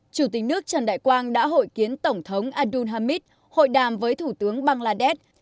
chủ tịch nước trần đại quang đã hội kiến tổng thống adul hamid hội đàm với thủ tướng bangladesh